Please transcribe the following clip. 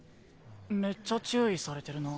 めっちゃ注意されてるな。